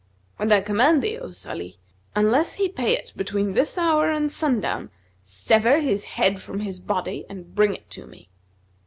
And I command thee, O Salih, unless he pay it between this hour and sundown, sever his head from his body and bring it to me."